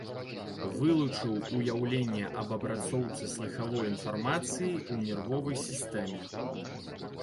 Вылучыў уяўленне аб апрацоўцы слыхавой інфармацыі ў нервовай сістэме.